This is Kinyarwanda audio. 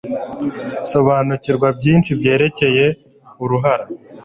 Sobanukirwa byinshi byerekeye uruhara